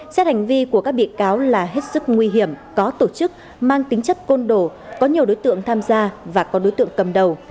xét hành vi của các bị cáo là hết sức nguy hiểm có tổ chức mang tính chất côn đồ có nhiều đối tượng tham gia và có đối tượng cầm đầu